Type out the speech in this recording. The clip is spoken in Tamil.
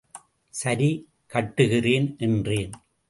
சரி கட்டுகிறேன் என்றேன்.